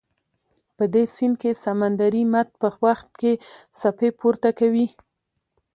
په دې سیند کې سمندري مد په وخت کې څپې پورته کوي.